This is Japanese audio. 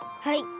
はい。